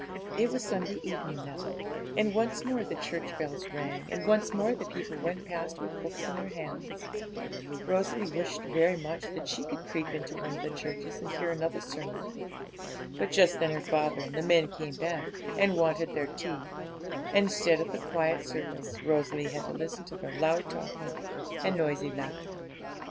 It was Sunday evening now, and once more the church bells rang, and once more the people went past with books in their hands. Rosalie wished very much that she could creep into one of the churches and hear another sermon. But just then her father and the men came back and wanted their tea; and, instead of the quiet service, Rosalie had to listen to their loud talking and noisy laughter.